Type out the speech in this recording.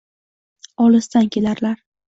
Olisdan kelarlar